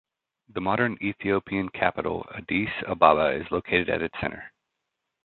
The modern Ethiopian capital Addis Ababa is located at its center.